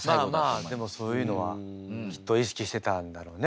まあまあでもそういうのはきっと意識してたんだろうね